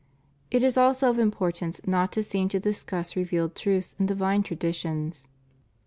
It is also of importance not to seem to discuss re vealed truths and divine traditions.